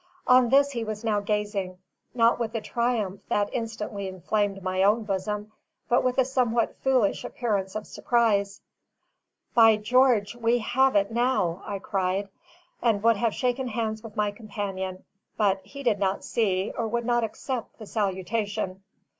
On this he was now gazing, not with the triumph that instantly inflamed my own bosom, but with a somewhat foolish appearance of surprise. "By George, we have it now!" I cried, and would have shaken hands with my companion; but he did not see, or would not accept, the salutation.